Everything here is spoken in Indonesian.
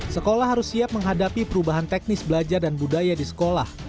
sekolah harus siap menghadapi perubahan teknis belajar dan budaya di sekolah